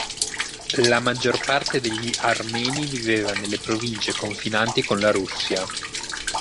La maggior parte degli armeni viveva nelle province confinanti con la Russia.